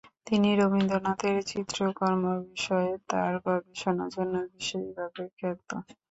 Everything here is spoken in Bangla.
তিনি রবীন্দ্রনাথের চিত্রকর্ম বিষয়ে তার গবেষণার জন্য বিশেষভাবে খ্যাত।